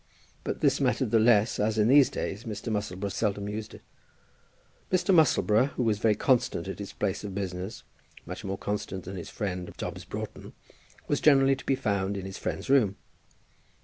But this mattered the less as in these days Mr. Musselboro seldom used it. Mr. Musselboro, who was very constant at his place of business, much more constant than his friend, Dobbs Broughton, was generally to be found in his friend's room.